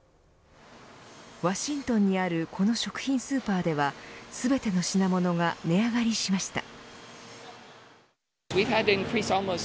ワシントンにあるこの食品スーパーでは全ての品物が値上がりしました。